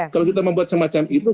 kalau kita membuat semacam itu